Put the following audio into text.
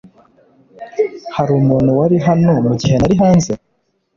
Hari umuntu wari hano mugihe nari hanze?